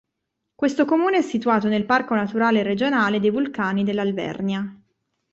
Questo comune è situato nel parco naturale regionale dei vulcani dell'Alvernia.